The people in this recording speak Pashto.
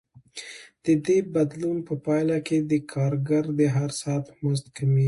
د دې بدلون په پایله کې د کارګر د هر ساعت مزد کمېږي